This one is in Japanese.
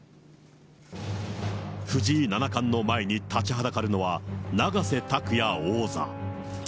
藤井七冠の前に立ちはだかるのは、永瀬拓矢王座。